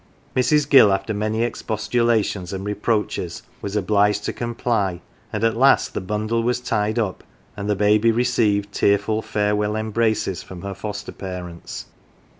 Mrs. Gill, after many expostulations and reproaches, was obliged to comply, and at last the bundle was tied up, and the baby received tearful farewell embraces from her foster parents.